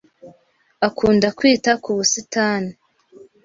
Akunda kwita ku busitani.